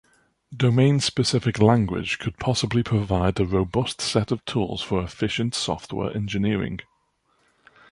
Domain-specific language could possibly provide a robust set of tools for efficient software engineering.